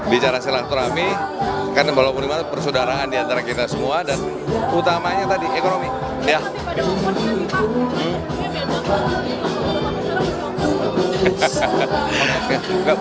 bicara silaturahmi karena walaupun ini persaudaraan diantara kita semua dan utamanya tadi ekonomi